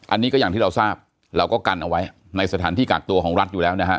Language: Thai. อันนี้ก็อย่างที่เราทราบเราก็กันเอาไว้ในสถานที่กักตัวของรัฐอยู่แล้วนะฮะ